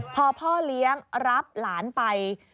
พอพ่อเลี้ยงรับหลานไป